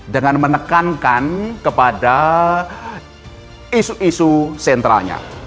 dengan menekankan kepada isu isu sentralnya